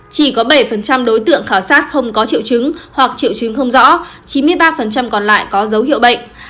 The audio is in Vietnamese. chỉ có bảy đối tượng khảo sát không có triệu chứng hoặc triệu chứng không rõ chín mươi ba còn lại có dấu hiệu bệnh